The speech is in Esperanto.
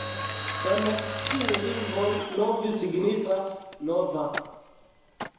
En ĉiuj lingvoj Novi signifas: nova.